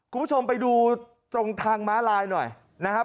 คุณผู้ชมไปดูตรงทางม้าลายหน่อยนะครับ